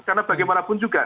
karena bagaimanapun juga